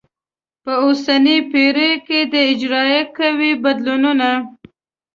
په اوسنیو پیړیو کې د اجرایه قوې بدلونونه